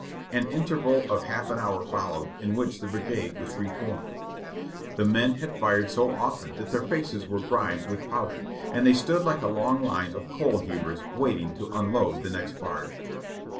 An interval of half an hour followed, in which the brigade was reformed. The men had fired so often that their faces were grimed with powder, and they stood like a long line of coal heavers waiting to unload the next barge.